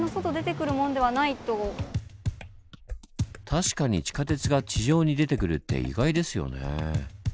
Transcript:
確かに地下鉄が地上に出てくるって意外ですよね。